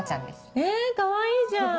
えかわいいじゃん！